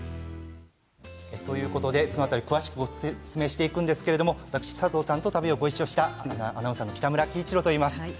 詳しく説明していくんですけれども佐藤さんと旅をごいっしょしたアナウンサーの北村紀一郎と申します。